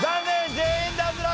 全員脱落！